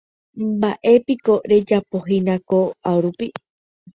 Mba'épiko rejapohína ko'árupi.